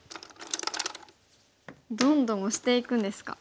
どんどんオシていくんですか。